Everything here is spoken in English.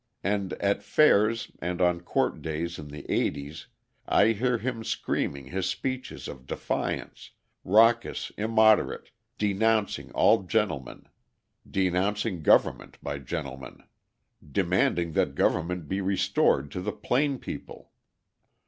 And at fairs and on court days in the eighties I hear him screaming his speeches of defiance, raucous, immoderate, denouncing all gentlemen, denouncing government by gentlemen, demanding that government be restored to the "plain people!"